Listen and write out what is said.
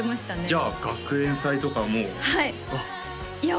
じゃあ学園祭とかもはいいや